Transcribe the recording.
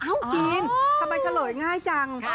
จีนทำไมเฉลยง่ายจัง